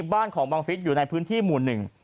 บ้านของบังฟิศอยู่ในพื้นที่หมู่หนึ่ง